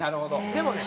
でもね